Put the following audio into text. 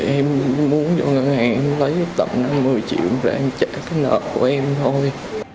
em muốn cho ngân hàng em lấy tầm năm mươi triệu rồi em trả cái nợ của em thôi